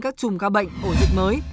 các trùm ca bệnh ổ dịch mới